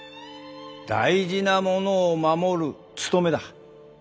大事なものを守るつとめだ。